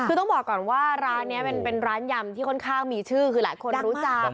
คือต้องบอกก่อนว่าร้านนี้เป็นร้านยำที่ค่อนข้างมีชื่อคือหลายคนรู้จัก